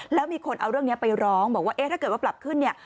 แล้วมีคนเอาเรื่องนี้ไปร้องบอกว่าเอ๊ะถ้าเกิดว่าปรับขึ้นเนี่ย